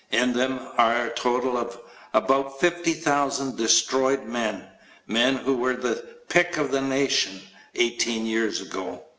In them are a total of about 50,000 destroyed men men who were the pick of the nation eighteen years ago.